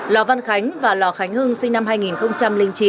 lò văn khánh và lò khánh hưng sinh năm hai nghìn chín